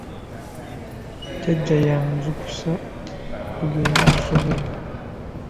Jjajja yanzuukusa tugende ku ssomero.